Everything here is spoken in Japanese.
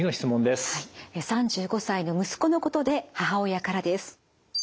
３５歳の息子のことで母親からです。